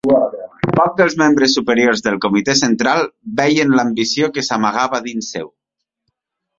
Pocs dels membres superiors del Comitè Central veien l'ambició que s'amagava dins seu.